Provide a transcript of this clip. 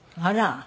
あら。